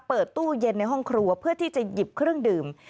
เปิดตู้เย็นในห้องครัวเพื่อที่จะหยิบเครื่องดื่ม